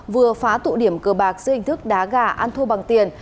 vừa phá tụ điểm cờ bạc giữa hình thức đá gà ăn thua bằng tiền